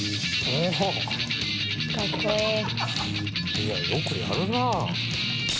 いやよくやるなあ。